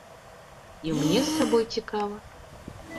І мне з сабой цікава.